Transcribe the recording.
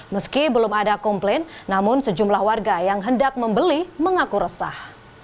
meski belum ada komplain namun sejumlah warga yang hendak membeli mengaku resah